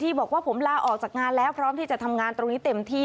บอกว่าผมลาออกจากงานแล้วพร้อมที่จะทำงานตรงนี้เต็มที่